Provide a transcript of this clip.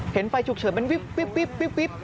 เห็นไฟฉุกเฉินมันวิบ